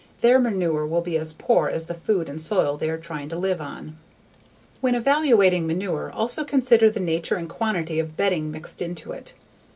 Their manure will be as poor as the food and soil they are trying to live on. When evaluating manure, also consider the nature and quantity of bedding mixed into it.